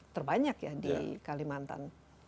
terbanyak ya di kalimantan